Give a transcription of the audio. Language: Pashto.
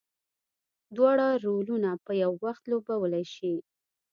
دواړه رولونه په یو وخت لوبولی شي.